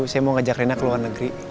saya mau ngajak rena ke luar negeri